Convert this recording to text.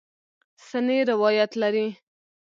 سنې روایت لري.